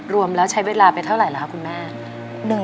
รวมแล้วใช้เวลาไปเท่าไหร่เหรอคะคุณแม่